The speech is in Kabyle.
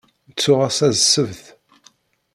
Ttuɣ ass-a d ssebt.